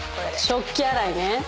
食器洗いね。